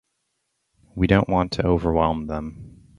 We don't want to overwhelm them.